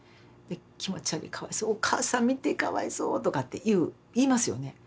「気持ち悪い」「かわいそう」「お母さん見てかわいそう」とかって言う言いますよね。